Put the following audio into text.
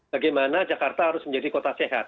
bagaimana jakarta harus menjadi kota sehat